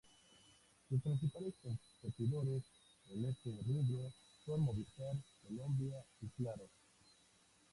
Sus principales competidores en este rubro son Movistar Colombia y Claro.